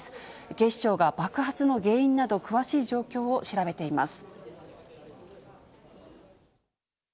警視庁が爆発の原因など、詳しい状況を調べています。